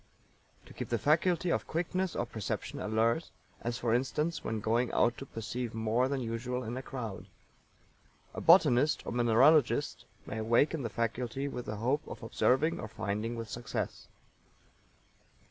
To keep the faculty of quickness of perception alert, as, for instance, when going out to perceive more than usual in a crowd. A botanist or mineralogist may awaken the faculty with the hope of observing or finding with success.